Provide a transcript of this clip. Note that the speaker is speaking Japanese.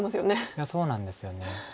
いやそうなんですよね。